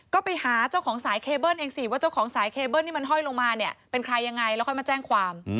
ก็ไปหาเจ้าของสายเคเบิ้ลเองสิว่าเจ้าของสายเคเบิ้ลที่มันห้อยลงมาเนี่ยเป็นใครยังไงแล้วค่อยมาแจ้งความ